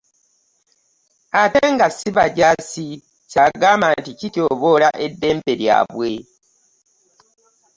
Ate nga si bajaasi ky'agamba nti kityoboola eddembe lyabwe